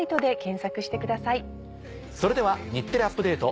それでは『日テレアップＤａｔｅ！』